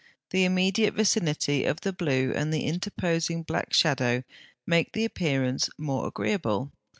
The immediate vicinity of the blue and the interposing black shadow make the appearance the more agreeable.